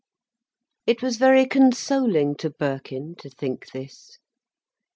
It was very consoling to Birkin, to think this.